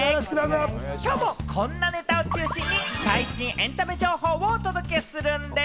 きょうもこんなネタを中心に最新エンタメ情報をお届けするんでぃす。